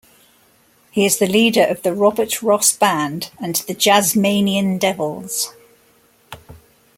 He is the leader of the Robert Ross Band and The Jazz-Manian Devils.